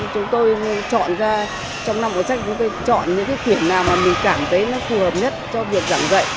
chúng tôi chọn ra trong năm bộ sách chúng tôi chọn những khuyển nào mà mình cảm thấy nó phù hợp nhất cho việc giảng dạy